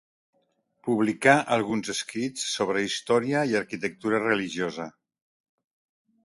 Publicà alguns escrits sobre història i arquitectura religiosa.